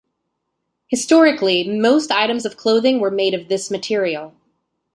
Historically, most items of clothing were made of this material.